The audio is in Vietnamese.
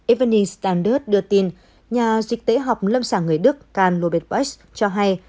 evening standard đưa tin nhà dịch tễ học lâm sàng người đức karl ludwig weiss cho hay